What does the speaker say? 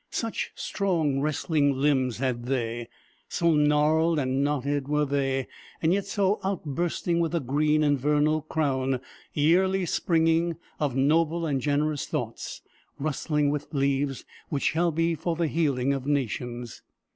Such strong, wrestling limbs had they, so gnarled and knotted were they, yet so outbursting with a green and vernal crown, yearly springing, of noble and generous thoughts, rustling with leaves which shall be for the healing of nations.